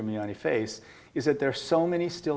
adalah banyak yang masih